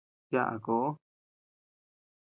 Yaʼa koʼo.